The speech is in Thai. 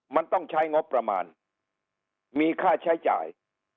มันต้องใช้งบประมาณมีค่าใช้จ่าย